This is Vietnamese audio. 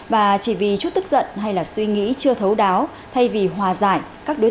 và chỉ vì chút tức giận hay suy nghĩ chưa thấu đáo thay vì hòa giải